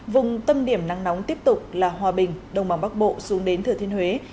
vùng tâm điểm nắng nóng tiếp tục là hòa bình đông bằng bắc bộ xuống đến thừa thiên huế